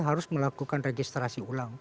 harus melakukan registrasi ulang